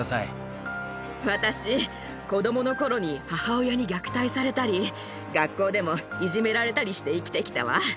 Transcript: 私、子どものころに母親に虐待されたり、学校でもいじめられたりして生きてきたわ。